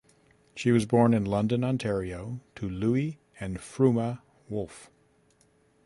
She was born in London, Ontario, to Louis and Fruma Wolf.